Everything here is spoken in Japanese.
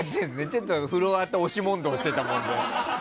ちょっとフロアと押し問答していたもんで。